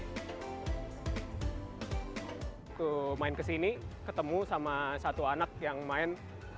saya ingin bermain ke sini ketemu sama satu anak yang main